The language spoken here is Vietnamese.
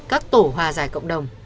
các tổ hòa giải cộng đồng